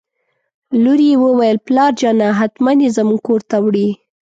لور یې وویل: پلارجانه حتماً یې زموږ کور ته وړي.